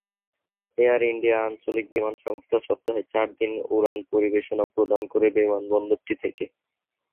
Air India আঞ্চলিক বিমান সংস্থা সপ্তাহে চার দিন উড়ান পরিষেবা প্রদান করে বিমানবন্দরটি থেকে।